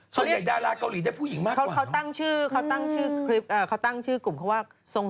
ส่วนใหญ่ดาราเกาหลีได้ผู้หญิงมากกว่าเขาตั้งชื่อกลุ่มชื่อว่า